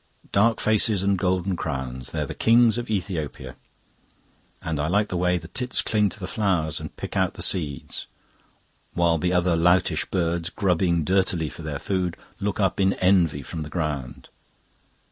"Dark faces and golden crowns they're kings of Ethiopia. And I like the way the tits cling to the flowers and pick out the seeds, while the other loutish birds, grubbing dirtily for their food, look up in envy from the ground.